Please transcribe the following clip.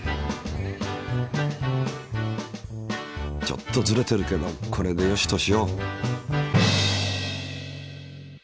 ちょっとずれてるけどこれでよしとしよう。